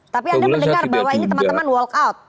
tapi anda mendengar bahwa ini teman teman walk out